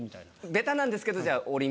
ベタなんですけどじゃあ。